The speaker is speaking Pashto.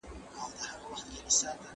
ایا لوی صادروونکي وچ انار اخلي؟